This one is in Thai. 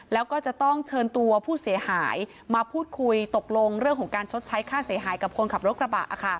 แล้วก็จะต้องเชิญตัวผู้เสียหายมาพูดคุยตกลงเรื่องของการชดใช้ค่าเสียหายกับคนขับรถกระบะ